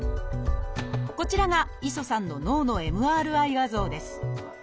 こちらが磯さんの脳のＭＲＩ画像です。